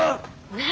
何？